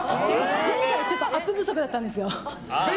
前回アップ不足だったんですよ。